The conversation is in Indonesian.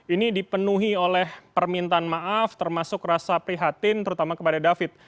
ini dipenuhi oleh permintaan maaf termasuk rasa prihatin terutama kepada david